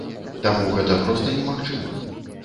Таму гэта проста немагчыма.